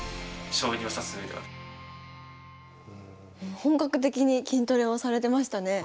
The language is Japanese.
本格的に筋トレをされてましたね。